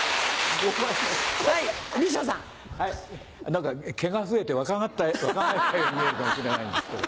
何か毛が増えて若返ったように見えるかもしれないんですけど。